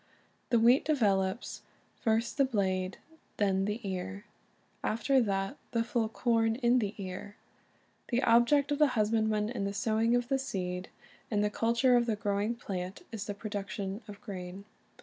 The wheat develops, "first the blade, then the ear, after that the full corn in the ear." The object of the husband man in the sowing of the seed and the culture of the growing plant is the production of grain.